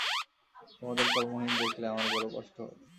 তোদের কর্মহীন দেখলে আমার বড় কষ্ট হয়।